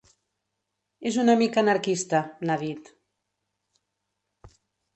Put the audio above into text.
És una mica anarquista, n’ha dit.